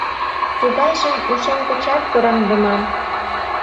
Тугайжым ушем гычат кораҥдыман.